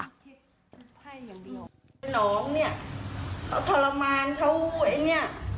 น้องเนี่ยเขาทรมานเท่าไอ้เนี่ย